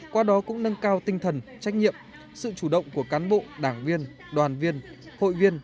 qua đó cũng nâng cao tinh thần trách nhiệm sự chủ động của cán bộ đảng viên đoàn viên hội viên